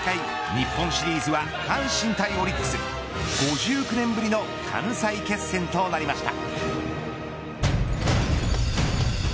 日本シリーズは阪神対オリックス５９年ぶりの関西決戦となりました。